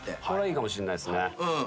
これはいいかもしれないですね。